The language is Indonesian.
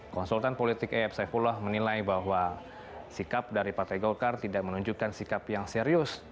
konsultan politik ef saifullah menilai bahwa sikap dari partai golkar tidak menunjukkan sikap yang serius